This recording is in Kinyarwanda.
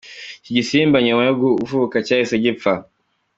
Iki gisimba nyuma yo kuvuka cyahise gipfa.